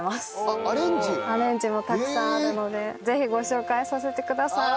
アレンジもたくさんあるのでぜひご紹介させてください。